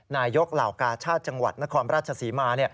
นายกเหล่ากาชาติจังหวัดนครราชศรีมา